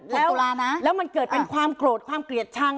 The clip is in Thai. แล้วมันเกิดเป็นความโกรธความเกลียดชัง